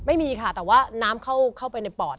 ไม่มีค่ะแต่ว่าน้ำเข้าไปในปอด